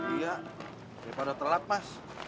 iya daripada telat mas